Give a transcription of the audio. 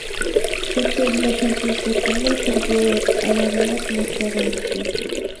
Сот жообуна тартылып жаткандар тергөө абагында камакта калышты.